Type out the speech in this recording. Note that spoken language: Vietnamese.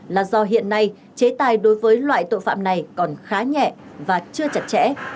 là do hiện nay chế tài đối với loại tội phạm này còn khá nhẹ và chưa chặt chẽ